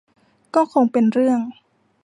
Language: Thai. ก็คงเป็นเรื่อง